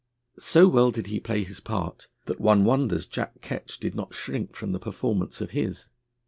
So well did he play his part, that one wonders Jack Ketch did not shrink from the performance of his.